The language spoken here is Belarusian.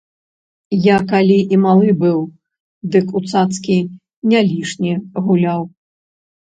Я калі і малы быў, дык у цацкі не лішне гуляў.